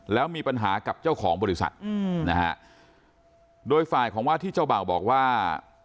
แล้วมีปัญหากับเจ้าของบริษัทอืมนะฮะโดยฝ่ายของว่าที่เจ้าเบ่าบอกว่า